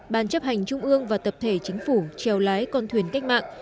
ban chấp hành trung ương và tập thể chính phủ treo lái con thuyền cách mạng